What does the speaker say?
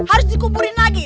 harus dikuburin lagi